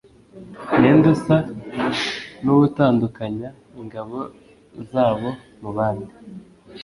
ninde usa nuwutandukanya ingabo zabo mubandi